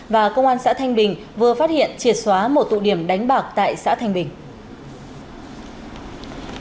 và công an xã thanh bình vừa phát hiện triệt xóa một tụ điểm đánh bạc tại xã thanh bình